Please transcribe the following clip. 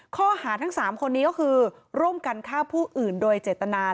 ข้อหาทั้ง๓คนนี้ก็คือร่วมกันฆ่าผู้อื่นโดยเจตนา